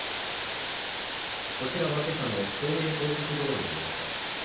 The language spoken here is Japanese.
こちらは今朝の東名高速道路の様子です。